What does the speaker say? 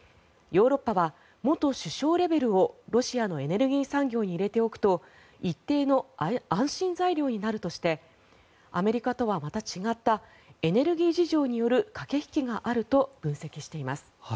ヨーロッパは元首相レベルをロシアのエネルギー産業に入れておくと一定の安心材料になるとしてアメリカとはまた違ったエネルギー事情による駆け引きがあると分析しています。